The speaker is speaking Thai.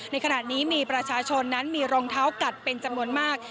ในขณะนี้มีประชาชนนั้นมีรองเท้ากัดเป็นจำนวนมาก